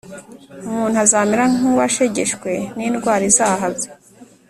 umuntu azamere nk’uwashegeshwe n’indwara izahaza.